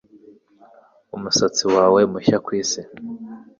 umusatsi wawe mushya ku isi